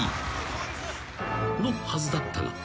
［のはずだったが］